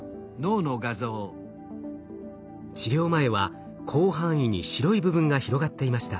治療前は広範囲に白い部分が広がっていました。